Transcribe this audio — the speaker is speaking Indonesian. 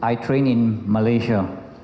i train in malaysia